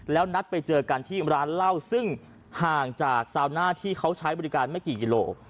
แล้วนัดไปเจอกันที่ร้านเหล้าซึ่งห่างจากซาวน่าที่เขาใช้บริการไม่กี่กิโล